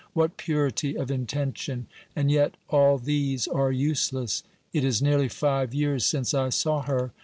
What purity of intention ! And yet all these are useless. It is nearly five years since I saw her.